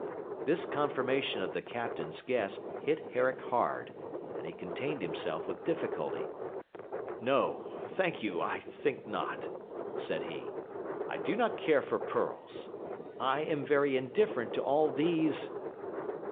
This confirmation of the captain's guess hit Herrick hard, and he contained himself with difficulty. 'No, thank you, I think not,' said he. 'I do not care for pearls. I am very indifferent to all these...'